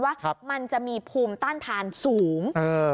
ว่ามันจะมีภูมิต้านทานสูง